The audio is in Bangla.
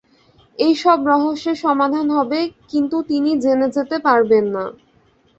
এইসব রহস্যের সমাধান হবে, কিন্তু তিনি জেনে যেতে পারবেন না।